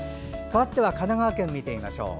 かわっては神奈川県を見てみましょう。